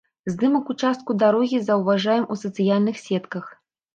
Здымак участку дарогі заўважаем у сацыяльных сетках.